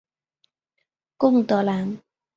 贡德兰。